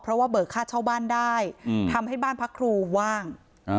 เพราะว่าเบิกค่าเช่าบ้านได้ทำให้บ้านพักครูว่าง